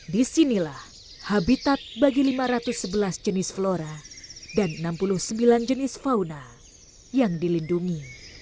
disinilah habitat bagi lima ratus sebelas jenis flora dan enam puluh sembilan jenis fauna yang dilindungi